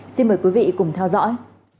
xin mời quý vị cùng theo dõi